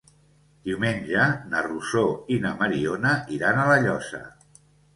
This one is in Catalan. Diumenge na Rosó i na Mariona iran a La Llosa.